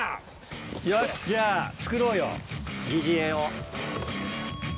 よしじゃあ作ろうよ疑似餌を。